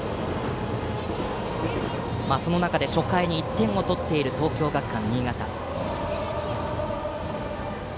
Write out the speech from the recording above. その中で初回に１点を取っている東京学館新潟。